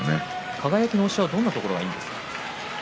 輝の押しはどんなところがいいですか。